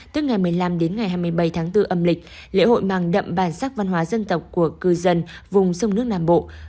tức ngày một mươi năm đến ngày hai mươi bảy tháng bốn âm lịch lễ hội mang đậm bản sắc văn hóa dân tộc của cư dân vùng sông nước nam bộ